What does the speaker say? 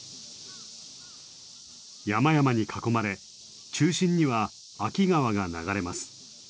山々に囲まれ中心には秋川が流れます。